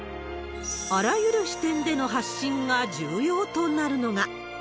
あらゆる視点での発信が重要となるのが。